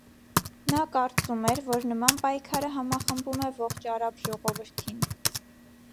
Նա կարծում էր, որ նման պայքարը համախմբում է ողջ արաբ ժողովրդին։